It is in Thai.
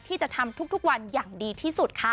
ที่จะทำทุกวันอย่างดีที่สุดค่ะ